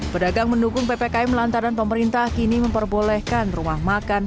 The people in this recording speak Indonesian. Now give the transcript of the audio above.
pedagang mendukung ppkm lantaran pemerintah kini memperbolehkan rumah makan